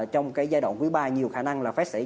trong cái giai đoạn quý ba nhiều khả năng là fed sẽ